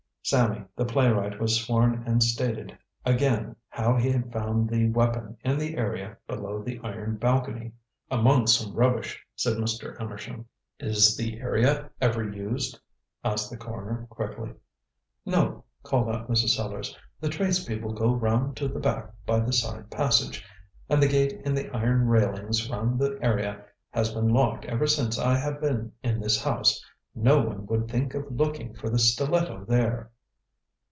Sammy the playwright was sworn and stated again how he had found the weapon in the area below the iron balcony. "Amongst some rubbish," said Mr. Amersham. "Is the area ever used?" asked the coroner quickly. "No," called out Mrs. Sellars; "the tradespeople go round to the back by the side passage, and the gate in the iron railings round the area has been locked ever since I have been in this house. No one would think of looking for the stiletto there."